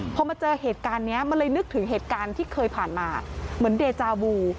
พอมาเจอเหตุการณ์นี้มันเลยนึกถึงเหตุการณ์ที่เคยผ่านมาเหมือนเดจาบู